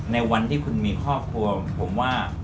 ในวันที่คุณมีครอบครัวผมว่า